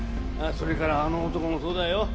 あっそれからあの男もそうだよ。